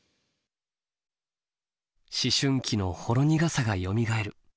思春期のほろ苦さがよみがえる。